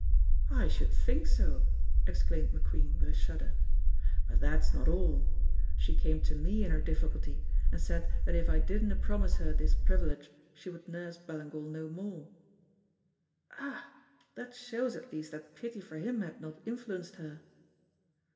"I should think so," exclaimed McQueen, with a shudder. "But that's not all. She came to me in her difficulty, and said that if I didna promise her this privilege she would nurse Ballingall no more." "Ugh! That shows at least that pity for him had not influenced her."